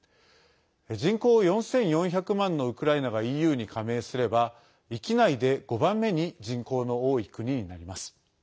人口４４００万のウクライナがＥＵに加盟すれば域内で５番目に人口の多い国になります。